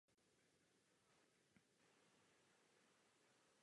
Během svého mládí se Rocky věnoval především baseballu.